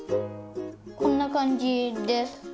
こんなかんじです。